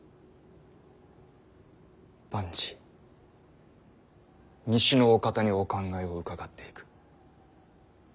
万事西のお方にお考えを伺っていく。